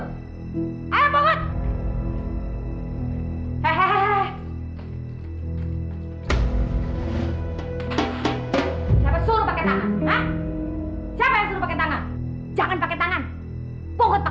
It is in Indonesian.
udah pulang ya ampun